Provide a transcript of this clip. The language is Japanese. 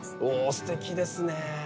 すてきですね。